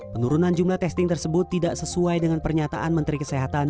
penurunan jumlah testing tersebut tidak sesuai dengan pernyataan menteri kesehatan